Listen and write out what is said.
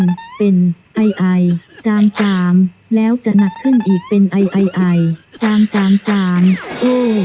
มันเป็นไอไอจามจามแล้วจะหนักขึ้นอีกเป็นไอไอไอจามจานจานโอ้